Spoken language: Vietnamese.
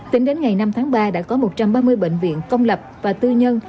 tính đến ngày năm tháng ba đã có một trăm ba mươi bệnh viện công lập và tư nhân